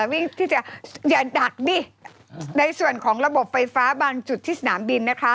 วิ่งที่จะอย่าดักดิในส่วนของระบบไฟฟ้าบางจุดที่สนามบินนะคะ